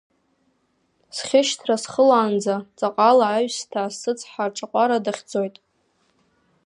Схьышьҭра схылаанӡа, ҵаҟала аҩсҭаа, сыцҳа аҿаҟәара дахьӡоит.